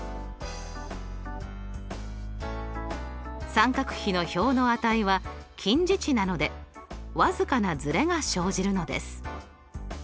三角比の表の値は近似値なので僅かなずれが生じるのです。